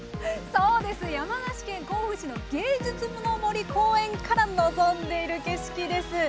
そうです、山梨県甲府市の芸術の森公園から望んでいる景色です。